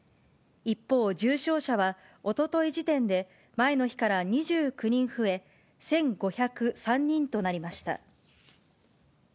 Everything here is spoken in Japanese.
一方、重症者はおととい時点で前の日から２９人増え、１５０３人となりました。